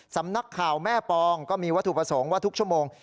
สำนักข่าวแม่ปองก็มีวัตถุประสงค์ว่าทุกชั่วโมง